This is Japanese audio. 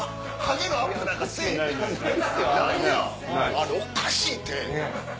あれおかしいて。